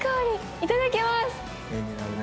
いただきます。